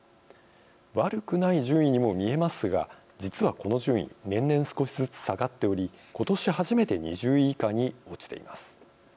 悪くない順位にも見えますが実は、この順位年々少しずつ下がっており今年、初めて２０位以下に落ちています。